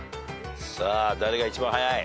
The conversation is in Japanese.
さあ誰が一番はやい！？